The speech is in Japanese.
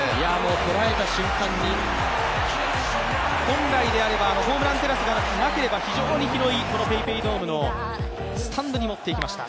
捉えた瞬間に、本来であればホームランテラスがなければ非常に広いこのＰａｙＰａｙドームのスタンドに持って行きました。